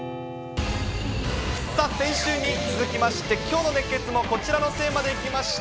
先週に続きまして、きょうの熱ケツもこちらのテーマでいきました。